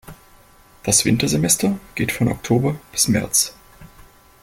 Das Wintersemester geht von Oktober bis März.